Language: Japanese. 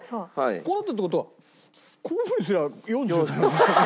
こうなってるって事はこういうふうにすりゃあ４０だよね。